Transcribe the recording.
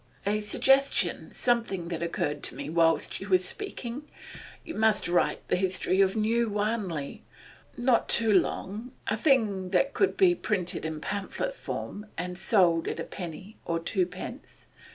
'A suggestion something that occurred to me whilst you were speaking. You must write the history of New Wanley Not too long; a thing that could be printed in pamphlet form and sold at a penny or twopence.